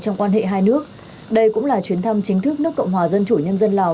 trong quan hệ hai nước đây cũng là chuyến thăm chính thức nước cộng hòa dân chủ nhân dân lào